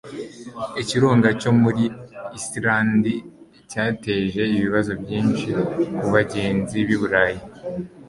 Ikirunga cyo muri muri Islande cyateje ibibazo byinshi kubagenzi bi Burayi